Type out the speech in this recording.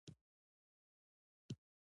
جدي خبرداری ورکړ.